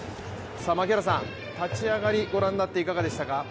槙原さん、立ち上がりご覧になっていかがでしたか？